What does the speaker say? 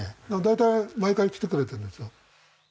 大体毎回来てくれてるんですよ。